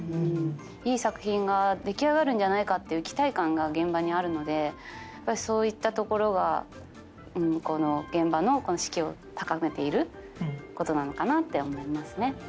いい作品が出来上がるんじゃないかっていう期待感が現場にあるのでそういったところが現場の士気を高めていることなのかなって思いますね。